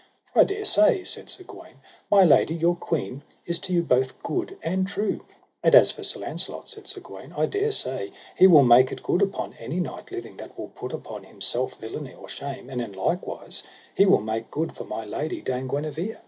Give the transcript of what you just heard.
For I dare say, said Sir Gawaine, my lady, your queen, is to you both good and true; and as for Sir Launcelot, said Sir Gawaine, I dare say he will make it good upon any knight living that will put upon himself villainy or shame, and in like wise he will make good for my lady, Dame Guenever.